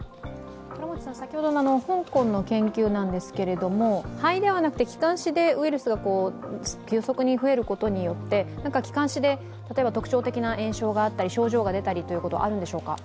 先ほどの香港の研究ですが、肺ではなく気管支でウイルスが急速に増えることによって気管支で特徴的な炎症があったり症状が出たりということはあるんでしょうか？